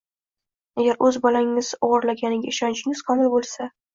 Agar o‘z bolangiz o‘g‘irlaganiga ishonchingiz komil bo'lsa.